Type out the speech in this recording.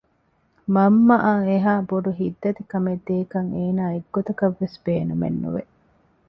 މަންމައަށް އެހާ ބޮޑު ހިތްދަތިކަމެއް ދޭކަށް އޭނާ އެއްގޮތަކަށްވެސް ބޭނުމެއް ނުވެ